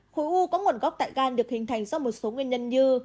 khối u có nguồn gốc tại gan được hình thành do một số nguyên nhân như